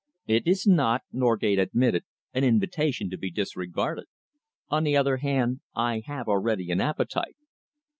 "It is not," Norgate admitted, "an invitation to be disregarded. On the other hand, I have already an appetite."